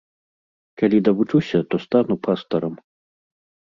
Калі давучуся, то стану пастарам.